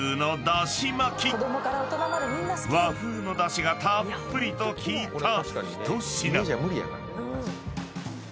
［和風のだしがたっぷりと効いた一品］